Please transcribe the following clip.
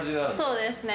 そうですね。